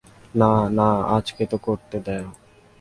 না, না, আজকে তো করতে দেও।